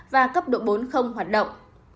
và cấp độ bốn không hoạt động